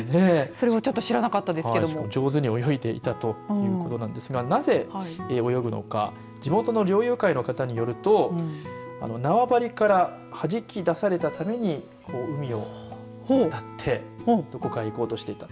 それはちょっと知らなかったですけれどもじょうずに泳いでいたということなんですがなぜ泳ぐのか地元の猟友会の方によると縄張りからはじき出されたために海を渡ってどこかへ行こうとしていた。